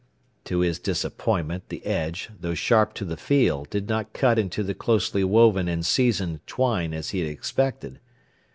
To his disappointment, the edge, though sharp to the feel, did not cut into the closely woven and seasoned twine as he had expected.